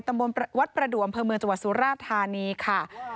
ตำบลวัดประดวมพมจสุราภาษณีย์ค่ะ